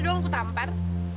wajar doang aku tampar